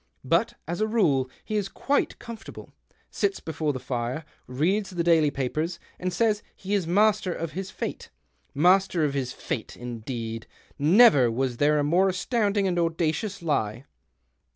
But, as a rule, he is quite com fortable — sits before the fire, reads the daily papers, and says he is ' master of his fate.' Master of his fate, indeed ! Never was there a more astounding and audacious lie."'